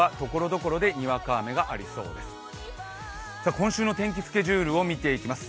今週の天気スケジュールを見ていきます。